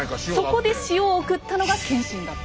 そこで塩を送ったのが謙信だった。